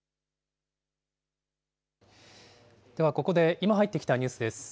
ではここで、今入ってきたニュースです。